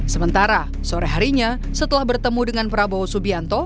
sementara sore harinya setelah bertemu dengan prabowo subianto